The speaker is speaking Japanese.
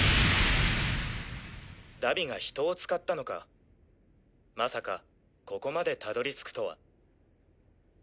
荼毘が人を使ったのかまさかここまで辿りつくとは。